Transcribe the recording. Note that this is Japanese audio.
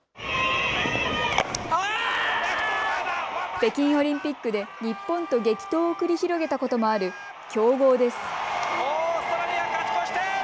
北京オリンピックで日本と激闘を繰り広げたこともある強豪です。